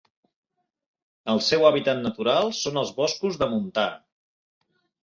El seu hàbitat natural són els boscos de montà.